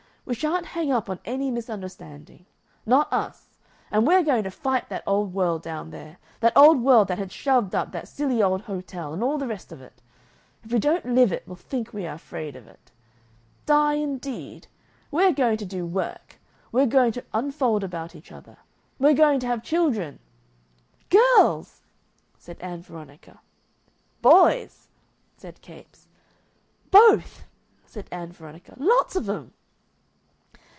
We sha'n't hang up on any misunderstanding. Not us. And we're going to fight that old world down there. That old world that had shoved up that silly old hotel, and all the rest of it.... If we don't live it will think we are afraid of it.... Die, indeed! We're going to do work; we're going to unfold about each other; we're going to have children." "Girls!" cried Ann Veronica. "Boys!" said Capes. "Both!" said Ann Veronica. "Lots of 'em!"